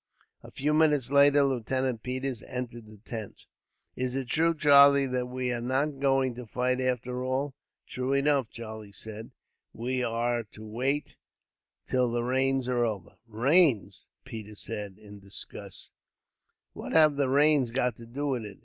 A few minutes later, Lieutenant Peters entered the tent. "Is it true, Charlie, that we are not going to fight, after all?" "True enough," Charlie said. "We are to wait till the rains are over." "Rains!" Peters said, in disgust; "what have the rains got to do with it?